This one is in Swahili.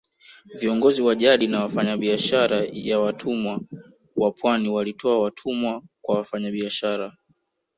Viongozi wa jadi na wafanyabiashara ya watumwa wa pwani walitoa watumwa kwa wafanyabiashara